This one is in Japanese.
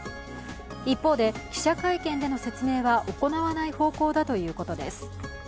一方で記者会見での説明は行わない方向だということです。